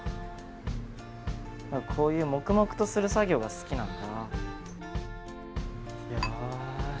こういう黙々とする作業が好きなんだ。